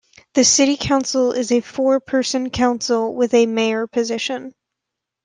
The City Council is a four-person council with a Mayor position.